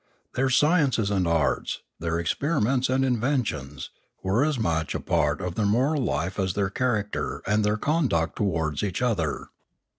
Their sciences and arts, their experiments and inventions, were as much a part of their moral life as their character and their conduct towards each other.